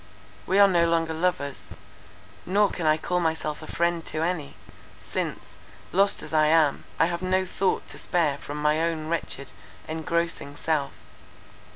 We are no longer lovers; nor can I call myself a friend to any; since, lost as I am, I have no thought to spare from my own wretched, engrossing self.